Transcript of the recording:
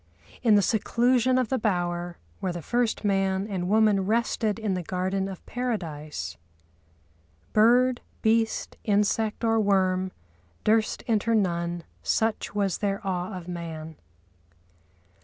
In the seclusion of the bower, where the first man and woman rested in the garden of Paradise— Bird, beast, insect or worm Durst enter none, such was their awe of man.